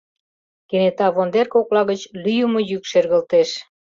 Кенета вондер кокла гыч лӱйымӧ йӱк шергылтеш.